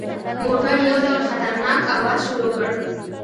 موټر یو ډول خطرناک اواز شروع کړ.